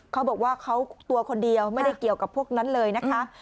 เขาบอกว่าเขาตัวคนเดียวไม่ได้เกี่ยวกับพวกนั้นเลยนะคะ